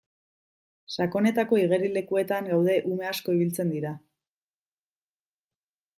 Sakonetako igerilekuetan gaude ume asko ibiltzen dira.